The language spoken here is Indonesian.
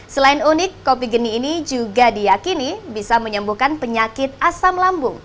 selain unik kopi geni ini juga diakini bisa menyembuhkan penyakit asam lambung